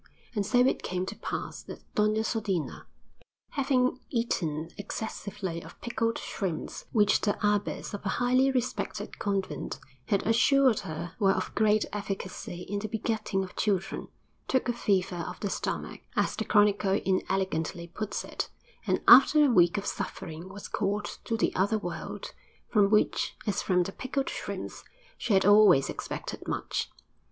And so it came to pass that Doña Sodina, having eaten excessively of pickled shrimps, which the abbess of a highly respected convent had assured her were of great efficacy in the begetting of children, took a fever of the stomach, as the chronicle inelegantly puts it, and after a week of suffering was called to the other world, from which, as from the pickled shrimps, she had always expected much.